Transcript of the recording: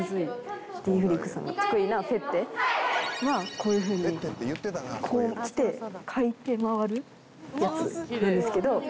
こういうふうにこうきてかいて回るやつなんですけど。